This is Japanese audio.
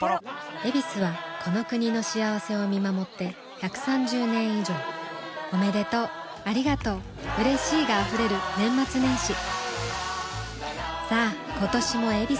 「ヱビス」はこの国の幸せを見守って１３０年以上おめでとうありがとううれしいが溢れる年末年始さあ今年も「ヱビス」で